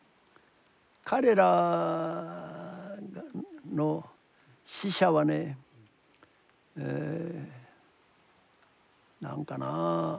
彼らの死者はね何かなぁ